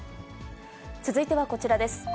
続いてはこちらです。